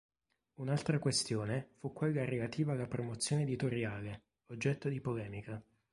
Un'altra questione fu quella relativa alla promozione editoriale, oggetto di polemica.